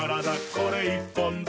これ１本で」